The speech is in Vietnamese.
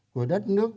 của đất nước